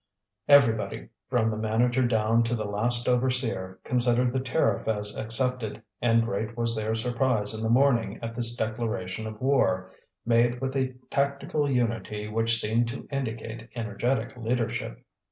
Everybody, from the manager down to the last overseer, considered the tariff as accepted; and great was their surprise in the morning at this declaration of war, made with a tactical unity which seemed to indicate energetic leadership.